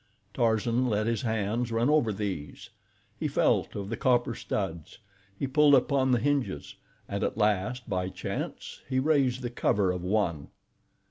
Tarzan let his hands run over these. He felt of the copper studs, he pulled upon the hinges, and at last, by chance, he raised the cover of one.